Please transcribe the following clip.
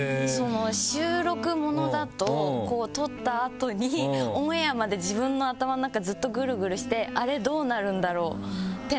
収録ものだと撮った後にオンエアまで自分の頭の中ずっとグルグルして「あれどうなるんだろう？」ってなって。